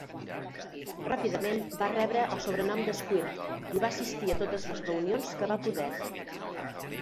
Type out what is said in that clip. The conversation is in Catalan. Ràpidament va rebre el sobrenom de "Squirt" i va assistir a totes les reunions que va poder.